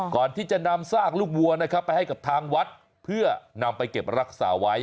ก่อนที่จะนำซากลูกวัวนะครับไปให้กับทางวัดเพื่อนำไปเก็บรักษาไว้